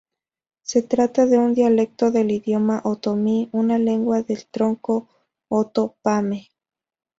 Se trata de un dialecto del idioma otomí, una lengua del tronco Oto-pame.